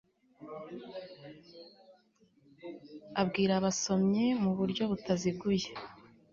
abwira abasomyi mu buryo butaziguye